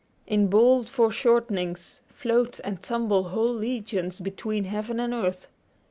In bold foreshortenings, float and tumble whole legions between heaven and earth.